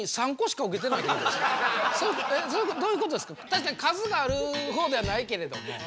確かに数がある方ではないけれども。